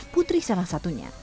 putri salah satunya